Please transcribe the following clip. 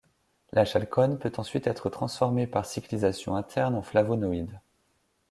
La chalcone peut ensuite être transformée par cyclisation interne en flavonoïde.